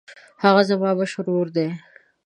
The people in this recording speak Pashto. هغه زما مشر ورور دی.